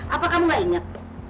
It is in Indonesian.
apa kamu gak inget